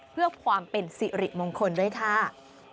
เพื่อความเป็นสิริมงคลด้วยค่ะ